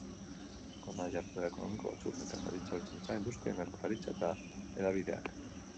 Hona jarduera ekonomiko batzuk: nekazaritza, abeltzaintza, industria, merkataritza eta hedabideak.